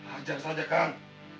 hajar saja kang